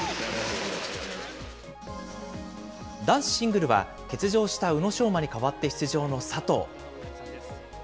男子シングルは、欠場した宇野昌磨に代わって出場の佐藤。